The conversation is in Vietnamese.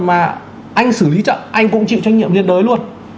mà anh xử lý chậm anh cũng chịu trách nhiệm tuyệt đối luôn